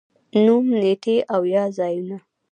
نوم، نېټې او یا ځايونه